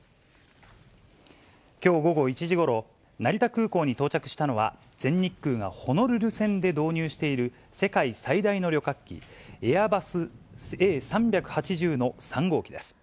きょう午後１時ごろ、成田空港に到着したのは、全日空がホノルル線で導入している世界最大の旅客機、エアバスＡ３８０の３号機です。